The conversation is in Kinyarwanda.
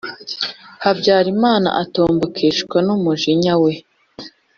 habyarimana atombokeshwa n' umujinya we: